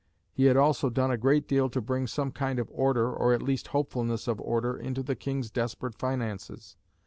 He had also done a great deal to bring some kind of order, or at least hopefulness of order, into the King's desperate finances.